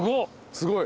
すごい。